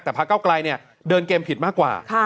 แต่พระเก้าไกลเดินเกมผิดมากกว่า